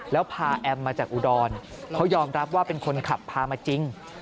แล้วพาแอมมาจากอุดรเขายอมรับว่าเป็นคนขับพามาจริง